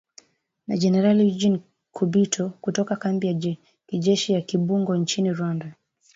Na Generali Eugene Nkubito kutoka kambi ya kijeshi ya Kibungo nchini Rwanda